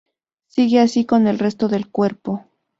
Sigue así con el resto del cuerpo.